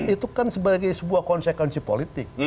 itu kan sebagai sebuah konsekuensi politik